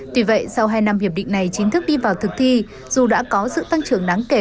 tuy vậy sau hai năm hiệp định này chính thức đi vào thực thi dù đã có sự tăng trưởng đáng kể